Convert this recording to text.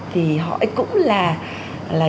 thì họ cũng là